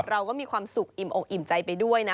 เราก็มีความสุขอิ่มใจไปด้วยนะ